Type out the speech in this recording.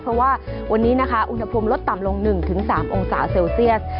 เพราะว่าวันนี้นะคะอุณหภูมิลดต่ำลง๑๓องศาเซลเซียส